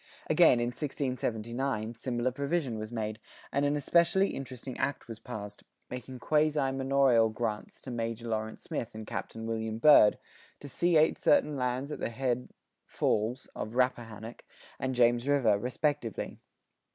Again, in 1679, similar provision was made,[84:2] and an especially interesting act was passed, making quasi manorial grants to Major Lawrence Smith and Captain William Byrd, "to seate certain lands at the head [falls] of Rappahannock and James river" respectively.